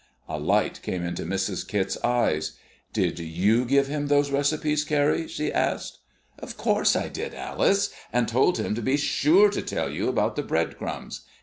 A light came into Mrs. Kit's eyes. "Did you give him those recipes, Carrie?" she asked. "Of course I did, Alice, and told him to be sure to tell you about the bread crumbs.